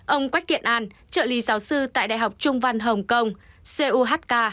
ông quách kiện an trợ lý giáo sư tại đại học trung văn hồng kông cohk